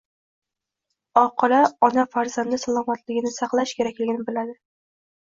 Oqila ona farzandi salomatligini saqlash kerakligini biladi.